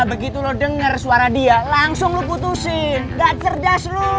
gak gian sih pake lo angkat segala